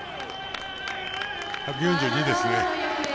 １４２ですね。